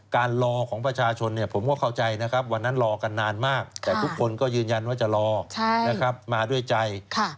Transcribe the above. การรอของประชาชนผมก็เข้าใจนะครับวันนั้นรอกันนานมากแต่ทุกคนก็ยืนยันว่าจะรอนะครับมาด้วยใจ